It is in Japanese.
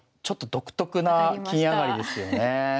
ちょっと独特な金上がりですよね。